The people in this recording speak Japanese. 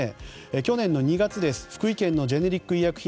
去年２月、福井県のジェネリック医薬品